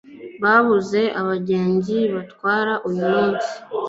babuze abagenzi batwara uyu munsi